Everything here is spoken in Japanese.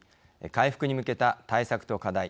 回復にむけた対策と課題。